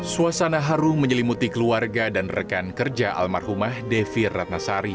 suasana harum menyelimuti keluarga dan rekan kerja almarhumah devi ratnasari